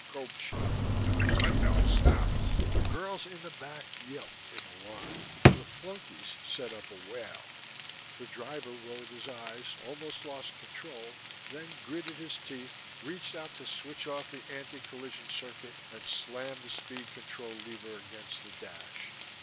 Gope shouted. "But don't stop!" The girls in the back yelped in alarm. The flunkies set up a wail. The driver rolled his eyes, almost lost control, then gritted his teeth, reached out to switch off the anti collision circuit and slam the speed control lever against the dash.